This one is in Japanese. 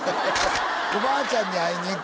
「おばあちゃんに会いにいく」